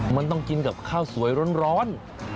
มันต้องกินกับข้าวสวยร้อน